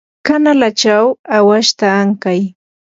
kanalachaw awashta ankay.